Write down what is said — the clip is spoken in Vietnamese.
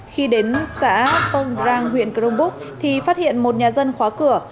khi đến xã ông rang huyện cờ rông bốc thì phát hiện một nhà dân khóa cửa